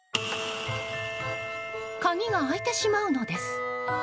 鍵が開いてしまうのです！